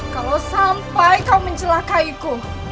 kalau sampai kau mencelakaiku